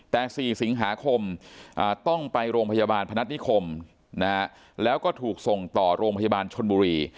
แต่๔สิงหาคมต้องไปโรงพยาบาลพนัฐนิคมแล้วก็ถูกส่งต่อโรงพยาบาลชนบุรี